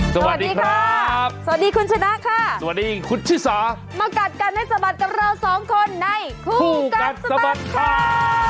สวัสดีครับสวัสดีคุณชนะค่ะสวัสดีคุณชิสามากัดกันให้สะบัดกับเราสองคนในคู่กัดสะบัดข่าว